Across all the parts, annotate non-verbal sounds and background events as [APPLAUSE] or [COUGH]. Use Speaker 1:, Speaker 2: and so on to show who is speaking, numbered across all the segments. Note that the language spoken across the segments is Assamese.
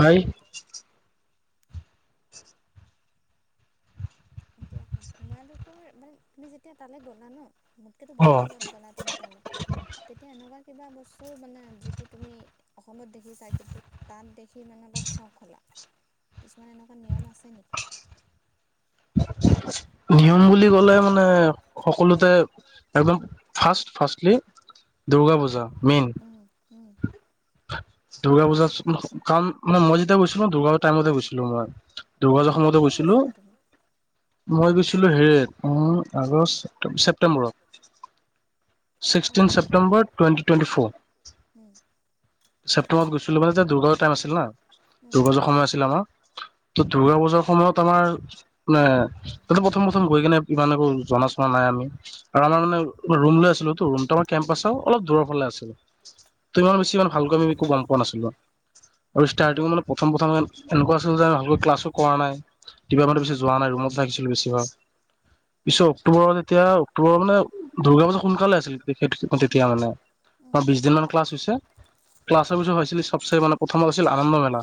Speaker 1: হাই [UNINTELLIGIBLE]
Speaker 2: এতিয়া কোৱা তোমালোকৰ মানে তুমি যেতিয়া তালৈ গলা ন মোতকেতো বহুত আগন গলা তুমি তালে তেতিয়া এনেকুৱা কিবা বস্তু মানে যিটো তুমি অসমত দেখিছা কিন্তু তাত দেখি মানে অলপ চখ হ'লা কিছুমান এনেকুৱা নিয়ম আছে নেকি
Speaker 1: নিয়ম বুলি ক'লে মানে সকলোতে একদম fast fastly Durga Puja main দুৰ্গ পূজা কাম মজ গৈছিলো দুৰ্গাৰ টাইমতে গৈছিলো মই দুূৰ্গাৰ সময়তে গৈছিলো মই গৈছিলো হে আগষ্ট ছেপ্তেম্বৰত
Speaker 2: [UNINTELLIGIBLE]
Speaker 1: ছেপটেম্বৰত গৈছিলো যে দুৰ্গা টাইম আছিল না দুূৰ্গা পূজাৰ সময় আছিলে আমাৰ ত দুূৰ্গা পূজাৰ সময়ত আমাৰ নাই তাতে প্ৰথম প্ৰথম গৈ কিনে ইমান একো জনা চনা নাই আৰু আমাৰ মানে ৰুম লৈ আছিলোতো বৰ্তমান কেম্পাছৰ অলপ দূৰৰ ফালে আছিলো ইমান বেছি ইমান ভালকৈ একো গম পোৱা নাছিলো আৰু ষ্টাৰ্টিঙ মানে প্ৰথম প্ৰথম এনেকুৱা আছিল যে ভালকৈ ক্লাছো কৰা নাই কিবা বেছি যোৱা নাই ৰুমত থাকিছিলো বেছিভাগ পিছত অক্টোবৰত এতিয়া অক্টোবৰত মানে দুৰ্গা পূজা সোনকালে আছিলে তেতিয়াৰ হলেবিশ দিন মান ক্লাছ হৈছে পাচৰ পিছৰ হৈছিলে চবচে মানে প্ৰথমত আছিল আনন্দ মেলা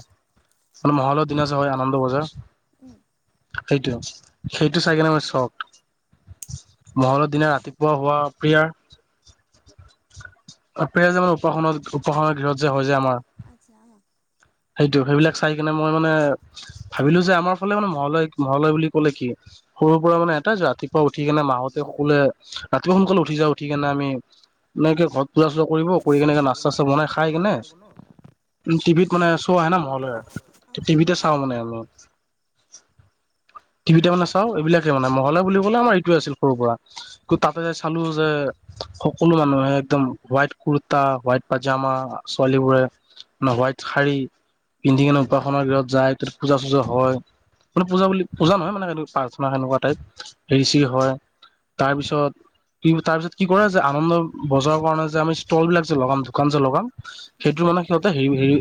Speaker 1: মানে মহলৰ দিনাচ হয় আনন্দ বজাৰ
Speaker 2: [UNINTELLIGIBLE]
Speaker 1: সেইটোৱে সেইটো চাই কিনে মোৰ চখ মহলৰ দিনা ৰাতিপুৱা হোৱা প্ৰিয়াৰ
Speaker 2: [UNINTELLIGIBLE]
Speaker 1: আপ যে উপাসন উপাসনৰ গৃহত যে হয় যে আমাৰ সেইটো সেইবিলাক চাই কিনে মই মানে ভাবিলো যে আমাৰ ফালে মানে মহলয় মহলয় বুলি ক'লে কি সৰুৰ পৰা মানে এটাই যে ৰাতিপুৱা উঠি কেনে মাহতে সকলোৱে ৰাতিপুৱা সোনকালে উঠি যা উঠি কেনে আমি এনেকে ঘৰত পূজা চূজা কৰিব কৰি কেনেকে নাস্তা চ্চাতা বনাই খাই কেনে উ টিভিত মানে শ্ব' আহে ন মহলৈ আৰু টিভিতে চাওঁ মানে আমি টিভিতে মানে চাও এইবিলাকে মানে মহলয় বুলি ক'লে আমাৰ এইটোৱে আছিল সৰুৰ পৰা ত তাতে যে চালো যে সকলো মানুহে একদম হোৱাইট কুৰ্তা হোৱাইট পাইজামা ছোৱালীবোৰে না হোৱাইট শাৰী পিন্ধি কিনে উপাসনাৰ ঘৰত যায় তাত পূজা চূজা হয় মানে পূজা বুলি পূজা নহয় মানে প্ৰাৰ্থনা এনেকুৱা টাইপ হেৰি চেৰি হয় তাৰ পিছত কি তাৰ পিছত কি কৰে যে আনন্দ বজাৰৰ কাৰণে যে আমি ষ্টল বিলাক যে লগাম দোকান যে লগাম সেইটো মানে সিহতে হেৰি হেৰি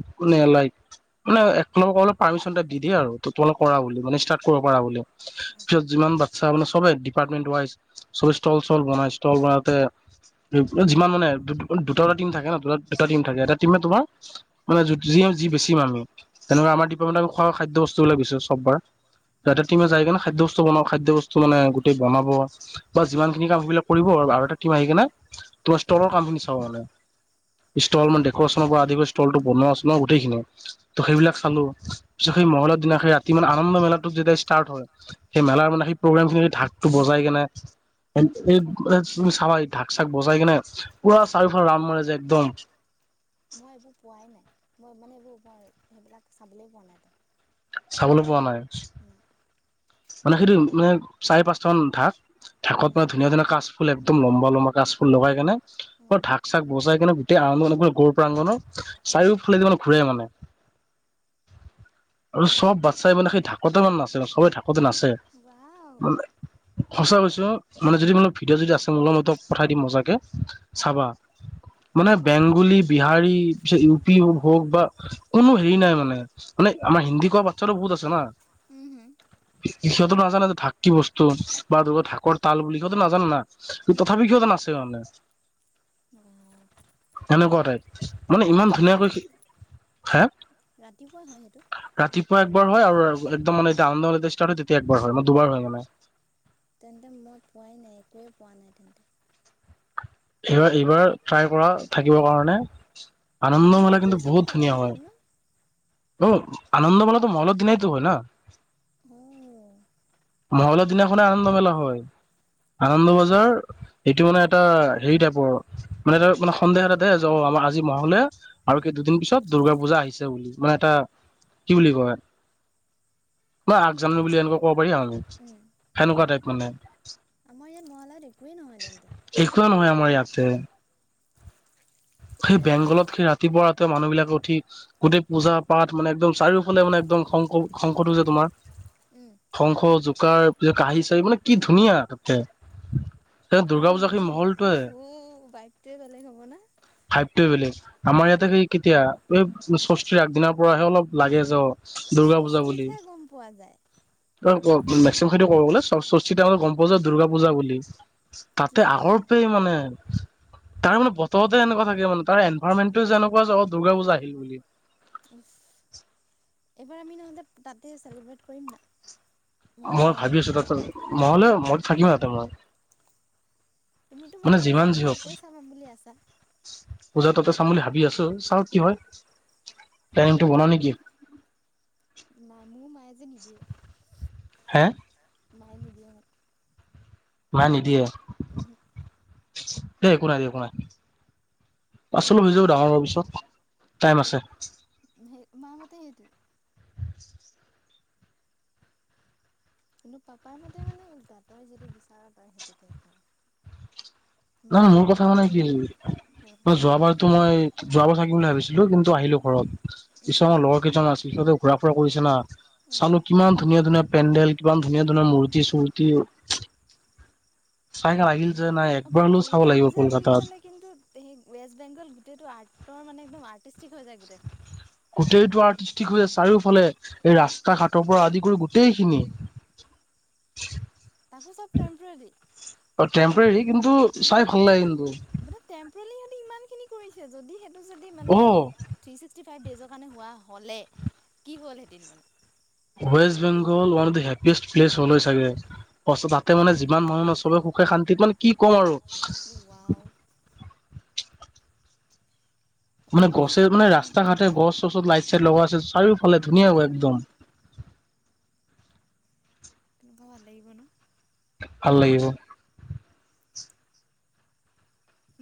Speaker 1: লাইট মানে এক নম্বৰতে ক'বলৈ গলেপামিচন দি দে আৰু তোমালোক ত কৰা বুলি মানে ক'ব পৰা বুলি যিমান বাচ্ছা বুলে চবেই দিপাতমেন টো পৰা আহিছে কলেষ্ট্ৰল বনাস্থল তাতে যিমান মানে দুটা দুটা টিম থাকে ন দুটা দুটা টিম থাকে এটা টিমে তোমাৰ মানে যি যি বেচিম আমি তেনেকা আমাৰ দিপাতমেন আমি খোৱা খাদ্য বস্তুও বিলাক বেছিছো চববাৰ যায় কিনে খাদ্য বস্তু বনাও খাদ্য বস্তু মানে গোটেই বনাব বা যিমান খিনি কাম সেইবিলাক কৰিব আৰু এটা যায় কিনে তোমাৰ ষ্টলৰ কাম খিনি চাও মানে ষ্টল মানে ডেক'ৰচনৰ পৰা আদি কৰি ষ্টলটো বনোৱা আছে ন? গোটেইখিনি, ত', সেইবিলাক চালো, চা সেই মহলাৰ দিনা, সেই ৰাতি মানে আমাক টো যেতিয়া ষ্টাৰ্ট হয়, সেই মেলাৰ মানে সেই প্ৰগেমখিনি ঢাকটো বজাই কেনে [UNINTELLIGIBLE] তুমি চাবা এই ঢাক-চাক বজাই কিনে, পুৰা চাৰিওফালে ৰাউণ্ড মাৰে যে, একদম
Speaker 2: মই এইবোৰ পোৱাই নাই। মই মানে, এইবোৰ মই, সেইবিলাক চাবলৈ পোৱা নাই তাত।
Speaker 1: চাবলে পোৱা নাই।
Speaker 2: [INAUDIBLE]
Speaker 1: মানে সেইটো মানে চাৰি-পাঁচটা মান ঢাক ঢাকত মানে ধুনীয়া ধুনীয়া কাচফুল একদম লম্বা লম্বা কাচফুল লগাই কেনে। ঢাক-চাক বজাই কেনে গোটেই [UNINTELLIGIBLE] প্ৰাংগণৰ চাৰিও ফালেদি মান ঘূৰে মানে।
Speaker 2: [INAUDIBLE]
Speaker 1: আৰু চব বাচ্ছাই মানে সেই ঢাকোতে মানে নাছে। চবে থাক সিহতে নাচে, সঁচা কৈছো। ত' মানে যদি মানে ভিডি'অ যদি আছে মোৰ লগত পঠাই দিম মজাকে চাবা। মানে বেংগলী, বিহাৰী ইউপি হওক বা কোনো হেৰি নাই মানে। মানে, আমাৰ হিন্দী কোৱা বাচ্ছাতো বহুত আছে না।
Speaker 2: উম, হুম।
Speaker 1: সিহতেটো নাজানে যে ঢাক কি বস্তু। বা সিহঁতে ঢাকৰ তাল বুলি সিহঁতে নাজানে না, তথাপি সিহঁতে নাচে মানে। সেনেকুৱা টাইপ, মানে ইমান ধুনীয়াকৈ হে ৰাতিপুৱা একবাৰ হয়, আৰু একদম মানে [UNINTELLIGIBLE] তেতিয়া একবাৰ হয় মান দুবাৰ হয় মানে।
Speaker 2: তেন্তে মই পোৱাই নাই, একোৱেই পোৱা নাই তেন্তে।
Speaker 1: এইবাৰ এবাৰ ট্ৰাই কৰা থাকিব কাৰণে। আনন্দ মেলা কিন্তু বহুত ধুনীয়া হয়। অ' আনন্দমেলাটো মহলত দিনাইতো হয় না।
Speaker 2: অ'।
Speaker 1: মহলৰ দিনাখনে আনন্দ মেলা হয়। আনন্দ বজাৰ এইটো মানে এটা হেৰি টাইপৰ মানে এটা মানে সন্দেহ এটা দে য আমাৰ আজি মহলে আৰু সেই দুদিন পিছত দুূৰ্গা পূজা আহিছে বুলি মানে এটা কি বুলি কয় মই আগজানো বুলি এনেকুৱা ক'ব পাৰি সেনেকুৱা টাইপ মানে একুৱে নহয় আমাৰ ইয়াতে
Speaker 2: [UNINTELLIGIBLE]
Speaker 1: সেই বেংগলত সেই ৰাতিপুৱা ৰাতি মানুহ বিলাকে উঠি গোটেই পূজা পাঠ মানে একদম চাৰিও মানে একদম শংক শংসটো যে তোমাৰ ধ্বংস যু কু কাহী চাহি মানে কি ধুনীয়া তাতে
Speaker 2: পুৰা মানে একদম হ হু বাইকটোৱে বেলেগ হ'ব না
Speaker 1: আমাৰ ইয়াতে সেই কেতিয়া এই ষষ্ঠীৰ আগদিনাৰ পৰাহে অলপ লাগে যে
Speaker 2: স্বস্তিতহে গম পোৱা যায়
Speaker 1: [UNINTELLIGIBLE] তাতে আগৰ পৰাই মানে তাৰ মানে বতৰতে এনেকুৱা থাকে মানে তাৰ এভৰণমেণ্টটো যেনেকুৱা যে অ দুৰ্গা পূজা আহিল বুলি
Speaker 2: এইবাৰ আমি নহ'লে তাতে চেলিব্ৰেট কৰিম না
Speaker 1: মই ভাবি আছো তাপিছত [UNINTELLIGIBLE]
Speaker 2: তুমিতো বাৰু পূজাতো তাতে চাম বুলি আছা
Speaker 1: পূজা ততে চাম বুলি ভাবি আছো চাও কি [UNINTELLIGIBLE] বনাওঁ নেকি
Speaker 2: নাই মোৰ মায়ে যে নিদিয়ে মায়ে নিদিয়ে মোক
Speaker 1: মাই নিদিয়ে
Speaker 2: উম
Speaker 1: এ একো নাই, একো নাই। পাছলই ভোজি পাব ডাঙৰ হোৱাৰ পিছত টাইম আছে।
Speaker 2: সেই আমাৰ মতে সেইটোৱে।
Speaker 1: [INAUDIBLE]
Speaker 2: কিন্তু পাপাৰ মতে মানে উল্টা তই যিটো বিচাৰ তই সেইটোকে কৰ।
Speaker 1: উম, মোৰ কথা সোনে। [UNINTELLIGIBLE] যোৱাবাৰতো মই [UNINTELLIGIBLE] থাকিম বুলি ভাবিছিলো কিন্তু আহিলো ঘৰত পিছত লগৰ কেইজন আছিল। তো ঘুৰা ফুৰা কৰিছে না। চালো কিমান ধুনীয়া ধুনীয়া পেণ্ডেল কিমান ধুনীয়া ধুনীয়া মূৰ্তি চূৰ্তি চাই আহিল যে নাইয়ে।
Speaker 2: দুৰ্গা পুজা বুলি ক'লে কিন্তু সেই ৱেষ্ট বেংগল গোটেইটো আৰ্টৰ মানে একদম আ হৈ যায় গোটেইখন।
Speaker 1: গোটেইতটো আৰ্টিঠিক হৈ চাৰিওফালে এই ৰাস্তা ঘাটৰ পৰা আদি কৰি গোটেইখিনি।
Speaker 2: [INAUDIBLE] তাকো সব তেম্পৰাৰী।
Speaker 1: অ', তেম্পৰেৰী কিন্তু চাই ভাল লাগে কিন্তু।
Speaker 2: ইমান খিনি কৰিচে যদি সেইটো যদি মানে [UNINTELLIGIBLE] [UNINTELLIGIBLE] কাৰণে হোৱা হ'লে কি হ'ল হেতেন মানে
Speaker 1: West Bengal one of the happiest place হ'ল হয় চাগে মানে যিমান মানুহে চবে সুখে শান্তিত মানে কি কম আৰু মানে গছে মানে ৰাস্তা ঘাটে গছ চছত লাইট চাইট লগোৱা আছে চাৰিওফালে ধুনীয়া একদম
Speaker 2: [INAUDIBLE] এনেকোৱা ভাল লাগিব ন?
Speaker 1: ভাল লাগিব।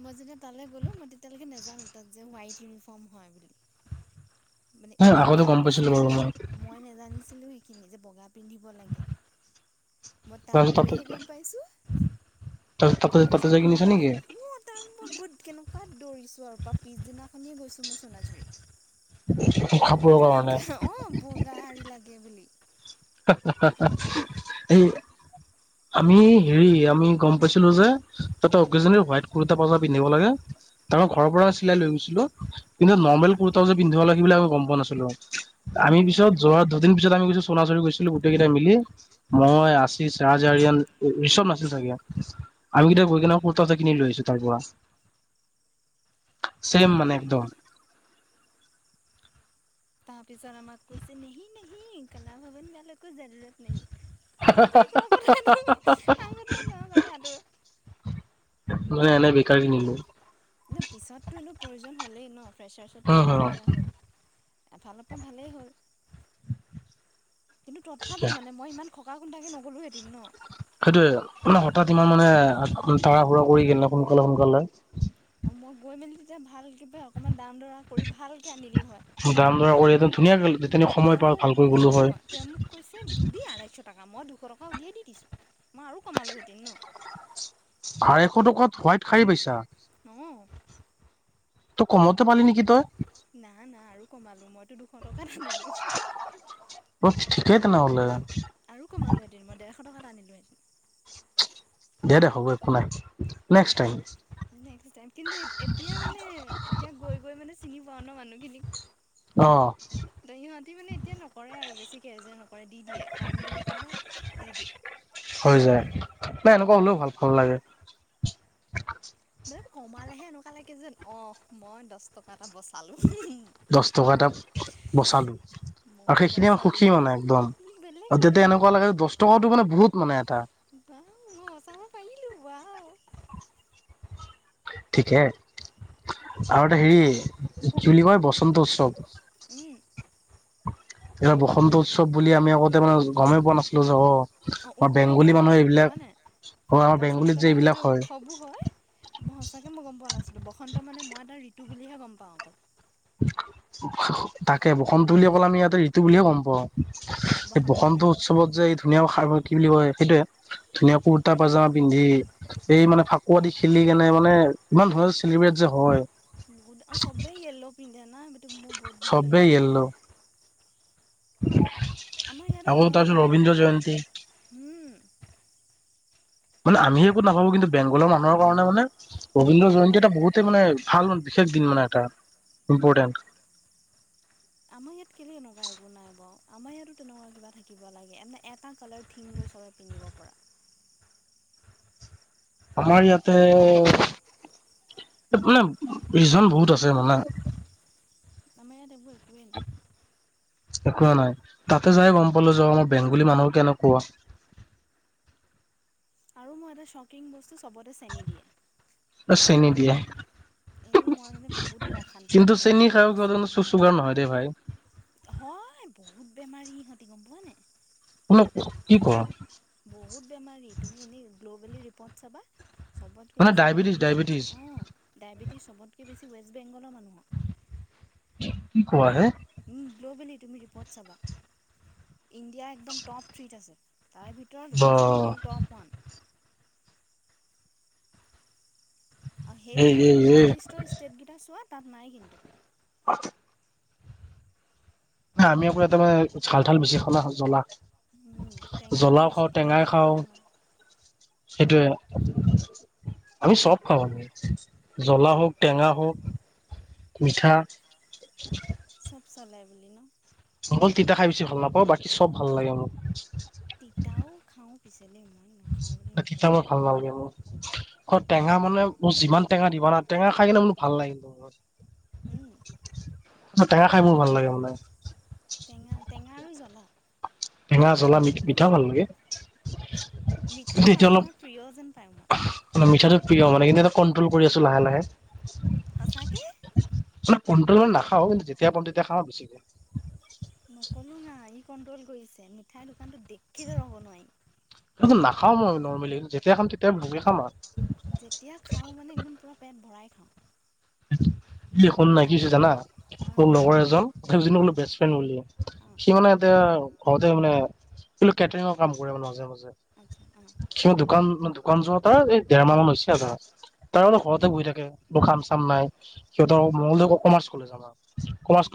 Speaker 2: মই যেতিয়া তালৈ গ'লো মই তেতিয়ালৈকে নাজানো তাত যে হোৱাইট ইউনিফৰ্ম হয় বুলি। মানে ইউনিফৰ্ম নিচিনাকে মই নেজানিছিলো সেইখিনি যে বগা পিনধিব লাগে ময় তাত গৈ হে গম পায়ছো।
Speaker 1: [INAUDIBLE]
Speaker 2: তাৰ পিছত মই ম তাৰ মই গোত কেনেকুৱা দৌৰিছো আৰু প পিছদিনা খনয়ে গৈছো। [UNINTELLIGIBLE] মোক বগা অ', বগা সাৰী লাগে বুলি।
Speaker 1: [UNINTELLIGIBLE] আমি হেৰি আমি গম পাইছিলো যে তাতে অকেচনেলি হোৱাইট কুৰ্তা পাজামা পিন্ধিব লাগে। তাৰ মানে ঘৰৰ পৰা চিলাই লৈ গৈছিলো। কিন্তু নৰ্মেল কুৰ্তাও যে পিন্ধিব লাগে সেইবিলাক একো গম পোৱা নাছিলো। আমি পিছত যোৱা দুদিন পিচত আমি [UNINTELLIGIBLE] গৈছিলো গোটেইকেইটা মিলি। মই আছিচ ৰাজ আৰিয়ন ৰিষভ নাছিল চাগে। আমি কেইটা গৈ কিনে কুুৰ্তা চটা কিনি লৈ আহিছো তাৰ পৰা। চেম মানে একদম
Speaker 2: তাৰ পিছত আমাককৈছে নেহি নেহি কল [UNINTELLIGIBLE] ভৱন মে অল জৰুুৰত নহি আগতে কওঁ কথাটো আগতে কওঁ কথাটো [INAUDIBLE]
Speaker 1: ময় এনেই বেকাৰ কিনিলো।
Speaker 2: ন পিছততো এনেও প্ৰয়োজন হ'লেই ন। ফ্ৰেছাৰছত পিন্ধিব কিন্তু তথাপি মানে, মই ইমান খকা খুনদাকে নগলো হেতেন ন।
Speaker 1: সেইটোয়ে হঠাত ইমান মানে তাৰ সুৰা কৰি কিনে সোনকালে সোনকালে।
Speaker 2: মই গৈ মেলি তেতিয়া ভালক অকনমান দাম দৰা কৰি ভালকে আনিলো হয়। তেওঁ মোক অ', তেও মোক কয়ছে দিদি আঢ়াইশ টাকা মই দুশ টকা মই উলিয়াই দি দিছোঁ মই আৰু কমালো হেতেন ন।
Speaker 1: আ এশ টকাত হোৱাইট শাৰী পাইছা।
Speaker 2: [UNINTELLIGIBLE]
Speaker 1: তই কমতে পালি নেকি তই!
Speaker 2: না না আৰু কমালো মইতো দুশ টকাত আনিলোঁ।
Speaker 1: তেনেহ'লে
Speaker 2: দুশ টকাত আনিলোঁহেতেন!
Speaker 1: দে দে হ'ব একো নাই।
Speaker 2: নেক্স টাইম কিন্তু এতিয়া মানে এতিয়া গৈ গৈ মানে চিনি পাও ন মানুহখিনিক। ত সিহঁতি মানে এতিয়া নকৰে আৰু বেছিকে যে ন দি দিয়ে কম বুলি ক'লে দি দিয়ে।
Speaker 1: নাই এনেকুৱা হলেও ভাল ভাল লাগে।
Speaker 2: এ কমালেহে এনেকুৱা লাগে যেন অ মই দচ টকা
Speaker 1: দচ টকা এটা বচালো। আৰু সেইখিনি সুখী মানে একদম আৰু তেতিয়া এনেকুৱা লাগে দচ টকাটো মানে বহুত মানে এটা
Speaker 2: বা মই বচাব পাৰিলো ওৱাও
Speaker 1: [INAUDIBLE] ঠিক হে আৰু এটা হেৰি কি বুলি কয় বস্তৰ সন্তোষ চব এইয়া বসন্ত উৎসৱ বুলি আমি আগতে মানে গমেই পোৱা নাছিলো যে অ'। আৰ বেংগলী মানুহে এইবিলাক
Speaker 2: বসন্ত নামত যে উৎসৱো হয় সচাকে মই গম পোৱা নাছিলো বসন্ত মানে মই এটা ঋতু বুলিহে গম পাওঁ অকল।
Speaker 1: তাকে, বসন্ত বুলি অকল আমি ইয়াতে ঋতু বুলিয়ে গম পাওঁ। এই বসন্ত উৎসৱত যে এই ধুনীয়া কি বুলি কয় সেইটোৱে ধুনীয়া কুৰ্তা পাজামা পিন্ধি এই মানে ফাকুৱা দি খেলি কেনে মানে ইমান ধু চিলিব্ৰেট যে হয়'
Speaker 2: বুত সবেই য়েল্লো পিন্ধে ন সেইটো মোৰ বহুত ভাল লাগে।
Speaker 1: [INAUDIBLE]
Speaker 2: আমাৰ ইয়াতো তেনেকুৱা কিবা এটা হ'ব লাগে ও'ম
Speaker 1: মানে আমি একো নাভাবো কিন্তু বেংগলৰ মানুহৰ কাৰণে মানে ৰবীন্দ্ৰ জয়ন্তী এটা বহুতেই মানে ভাল বিশেষ দিন মানে এটা। ইম্পৰ্টেণ্ট।
Speaker 2: আমাৰ ইয়াতো তেনেকুৱা কিবা থাকিব লাগে এটা কালাৰ থিম লৈ সবে পিন্ধিব পৰা।
Speaker 1: আমাৰ ইয়াতে মানে ৰিজন বহুত আছে মানে
Speaker 2: আমা ইয়াত এইবোৰ একোৱনেই।
Speaker 1: একোয়ে নাই তাতে যাই গম পালো যে আমাৰ বেংগলী মানুহ কেনেকুৱা।
Speaker 2: [INAUDIBLE] আৰু মোৰ এটা চাক্ৰিং বস্তু চবতে চেনি দিয়ে।
Speaker 1: বচ চেনি দিয়ে।
Speaker 2: এইটো মই মানে বহুত মই অশান্তি পালো বহুত বেছি। হয় বহুত বেমাৰী ইহতি গম পোৱা নায়?
Speaker 1: মোক কি কোৱা?
Speaker 2: বহুত বেমাৰী তুমি এনেই গ্ল'বেলি ৰিপত চাবা। চবতকে বেছি ডায়বেটিছ অ' ডায়বেটিছ চবতকে বেছি ৱেষ্ট বেংগলৰ মানুহ
Speaker 1: কি কোৱা হে।
Speaker 2: উম গ্ল'বেলি তুমি ৰিপৰ্ট চাবা! ইণ্ডিয়া একম ট'প থ্ৰীত আছে। তাৰ ভিতৰত ৱেষ্ট বেংগল টপ ৱান। আৰু সেইটোতে যদি নৰ্থ ইষ্টৰ ষ্টেটকেইটা চোৱা তাত নাই কিন্তু।
Speaker 1: [INAUDIBLE] ন আমি আ একৌ তাৰ [UNINTELLIGIBLE] ঠাল বেছি খা জ্বলা জ্বলাও খাওঁ, টেঙা খাওঁ। সেইটোৱে আমি চব খাওঁ। জ্বলা হওঁক টেঙা হওঁক, মিঠা।
Speaker 2: চব চলে
Speaker 1: মই তিতা খাই বেছি ভাল নাপাওঁ বাকী চব ভাল লাগে মোক।
Speaker 2: পিছেই
Speaker 1: তিতা বৰ ভাল নালাগে মোৰ, ঘ টেঙা মানে মোৰ যিমান টেঙা দিবা টেঙা খাই কিনে মানো ভাল লাগে কিন্তু। টেঙা খাই মোৰ ভাল লাগে মানে। টেঙা, জ্বলা, মিঠ মিঠাও ভাল লাগে কিন্ত এতিয়া অলপ। মানে মিঠাটো প্ৰিয় মানে কিন্তু এটা কন্ট্ৰল কৰি আছো লাহে লাহে।
Speaker 2: সচাঁকে।
Speaker 1: ম কণ্ট্ৰলত নাখাওঁ কিন্তু যেতিয়া পাম তেতিয়া খাওঁ বেছিকে।
Speaker 2: নকললো না ই কণ্ট্ৰল কৰিছে মিঠাই দোকানটো দেখি ৰ'ব নোৱাৰি।
Speaker 1: [UNINTELLIGIBLE] নাখাওঁ মই নৰ্মেলি যেতিয়া খাম তেতিয়াাই ভালকে খাম আৰু।
Speaker 2: যেতিয়া খাওঁ মানে একদম পুৰা পেট ভৰাই খাওঁ।
Speaker 1: [INAUDIBLE] শুন না, কি হৈছে জানা মোৰ লগৰ এজন [UNINTELLIGIBLE] বেষ্ট ফ্ৰেণ্ড বুলি সি মানে এতিয়া ঘৰতে মানে বোলে কেটাৰিঙৰ কাম কৰে মানে মাজে মাজে। সি দোকান দোকান চোৱা তাৰ এই দেৰ মাহ হৈছে আৰু তাৰ তাৰ মানে ঘৰত [UNINTELLIGIBLE] বহি থাকে কাম চাম নাই সিহঁতৰ মংগলদৈ কমাৰ্চ কলেজ যাবা কমা